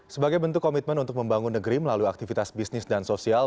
sebagai bentuk komitmen untuk membangun negeri melalui aktivitas bisnis dan sosial